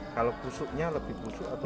kalau kusuknya lebih kusuk atau